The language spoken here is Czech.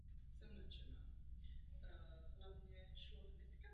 Při šlechtění se používá množení ze semen.